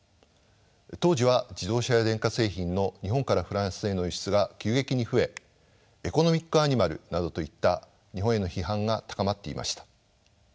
当時は自動車や電化製品の日本からフランスへの輸出が急激に増えエコノミックアニマルなどといった日本への批判が高まっていました。